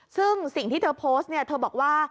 ซึ่งสิ่งที่เธอโพสต์เนี่ยเธอบอกว่า